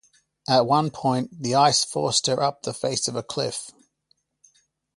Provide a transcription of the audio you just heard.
At one point, the ice forced her up the face of a cliff.